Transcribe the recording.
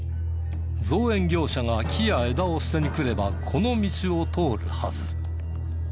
造園業者が木や枝を捨てに来ればこの道を通るはず。